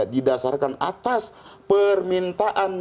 didasarkan atas permintaan